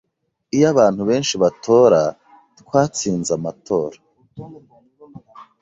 Iyo abantu benshi batora, twatsinze amatora